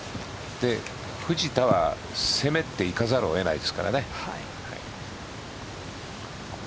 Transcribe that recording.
藤田は攻めていかざるをえないですからね。